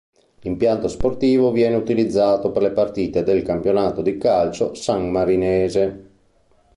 L'impianto sportivo viene utilizzato per le partite del Campionato di calcio sammarinese.